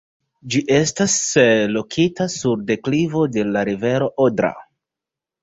Ĝi estas lokita sur deklivo de la rivero Odra.